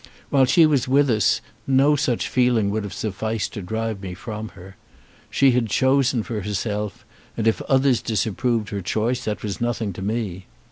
While she was with us no such feeling would have sufficed to drive me from her. She had chosen for herself, and if others disapproved her choice that was nothing to me.